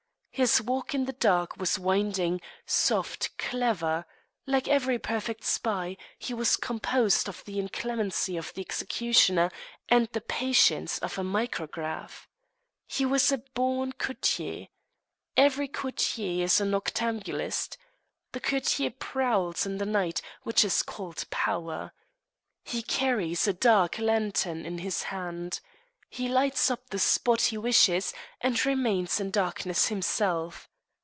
His walk in the dark was winding, soft, clever. Like every perfect spy, he was composed of the inclemency of the executioner and the patience of a micograph. He was a born courtier. Every courtier is a noctambulist. The courtier prowls in the night, which is called power. He carries a dark lantern in his hand. He lights up the spot he wishes, and remains in darkness himself.